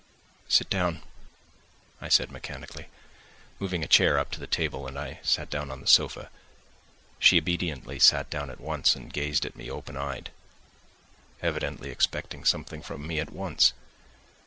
"Sit down," I said mechanically, moving a chair up to the table, and I sat down on the sofa. She obediently sat down at once and gazed at me open eyed, evidently expecting something from me at once.